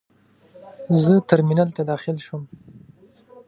زه ترمینل ته داخل شوم.